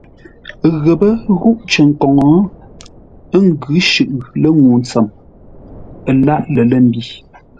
Ghəpə́ ghúʼ cər koŋə, ə́ ngʉ̌ shʉʼʉ lə́ ŋuu ntsəm, ə lâʼ lər lə̂ mbi.